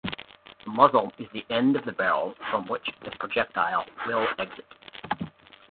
The muzzle is the end of barrel from which the projectile will exit.